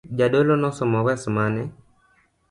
Jadolo nosomo wes mane.